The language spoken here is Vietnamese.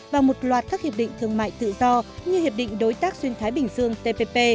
và một loạt các hiệp định thương mại tự do như hiệp định đối tác xuyên thái bình dương tpp